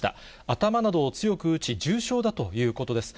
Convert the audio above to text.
頭などを強く打ち、重傷だということです。